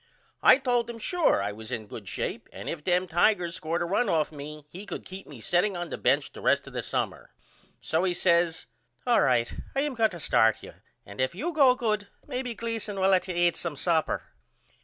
I told him Sure I was in good shape and if them Tigers scored a run off me he could keep me setting on the bench the rest of the summer. So he says All right I am going to start you and if you go good maybe Gleason will let you eat some supper.